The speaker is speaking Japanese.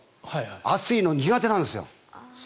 暑いの苦手なんですよ。